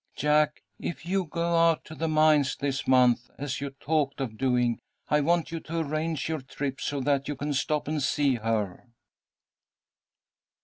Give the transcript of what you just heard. Jack, if you go out to the mines this month, as you talked of doing, I want you to arrange your trip so that you can stop and see her."